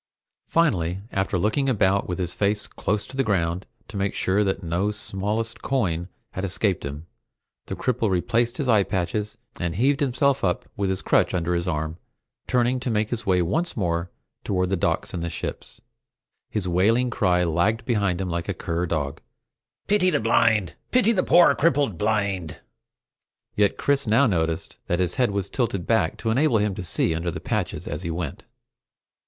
Finally, after looking about with his face close to the ground to make sure that no smallest coin had escaped him, the cripple replaced his eye patches and heaved himself up with his crutch under his arm, turning to make his way once more toward the docks and the ships. His wailing cry lagged behind him like a cur dog: "Pity the blind! Pity the pore crippled blind!" Yet Chris now noticed that his head was tilted back to enable him to see under the patches as he went.